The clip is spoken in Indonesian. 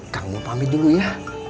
kang mau pamit dulu ya